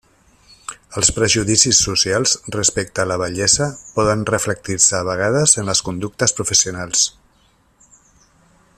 Els prejudicis socials respecte a la vellesa poden reflectir-se a vegades en les conductes professionals.